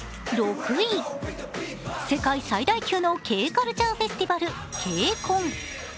世界最大級のＫ−カルチャーフェスティバル、ＫＣＯＮ。